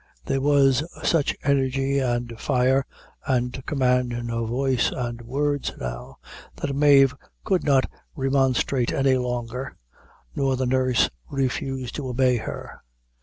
There was such energy, and fire, and command, in her voice and words now, that Mave could not remonstrate any longer, nor the nurse refuse to obey her.